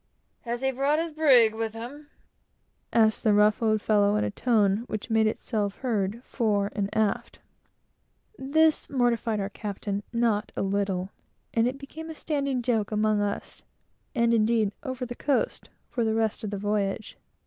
"Has he brought his brig with him?" said the rough old fellow, in a tone which made itself heard fore and aft. This mortified our captain a little, and it became a standing joke among us for the rest of the voyage.